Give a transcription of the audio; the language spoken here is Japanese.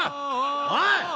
おい！